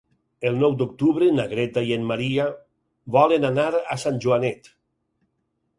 El nou d'octubre na Greta i en Maria volen anar a Sant Joanet.